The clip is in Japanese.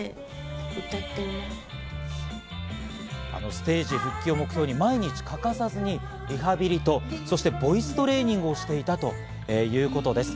ステージ復帰を目標に毎日欠かさずにリハビリと、そしてボイストレーニングをしていたということです。